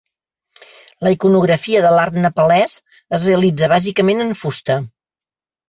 La iconografia de l'art nepalès es realitza bàsicament en fusta.